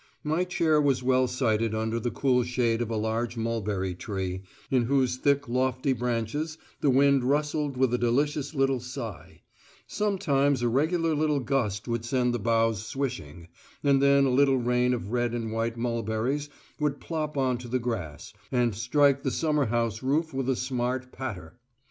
My chair was well sited under the cool shade of a large mulberry tree, in whose thick lofty branches the wind rustled with a delicious little sigh; sometimes a regular little gust would send the boughs swishing, and then a little rain of red and white mulberries would plop on to the grass, and strike the summer house roof with a smart patter.